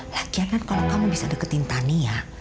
lagian kalau kamu bisa mendekati tania